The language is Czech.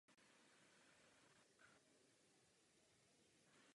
Je značně vytrvalá při pronásledování kořisti.